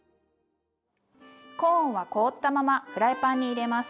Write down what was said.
コーンは凍ったままフライパンに入れます。